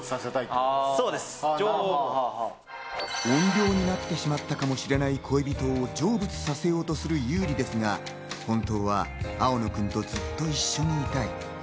怨霊になってしまったかもしれない恋人を成仏させようとする優里ですが、本当は青野くんとずっと一緒にいたい。